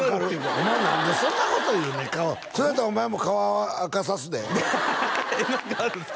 お前何でそんなこと言うねんそれやったらお前も顔赤さすでえっ何かあるんすか？